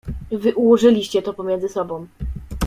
"Wy ułożyliście to pomiędzy sobą."